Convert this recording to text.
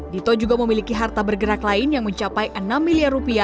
dito juga memiliki harta bergerak lain yang mencapai rp enam miliar